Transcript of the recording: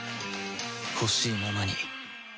ほしいままに